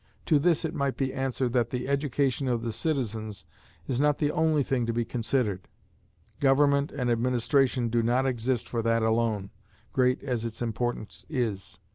To this it might be answered that the education of the citizens is not the only thing to be considered; government and administration do not exist for that alone, great as its importance is.